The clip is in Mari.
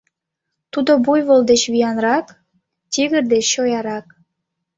Тудо буйвол деч виянрак, тигр деч чоярак